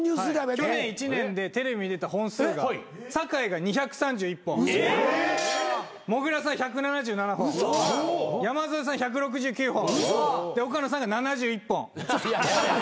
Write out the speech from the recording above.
去年１年でテレビに出た本数が酒井が２３１本もぐらさん１７７本山添さん１６９本で岡野さんが７１本。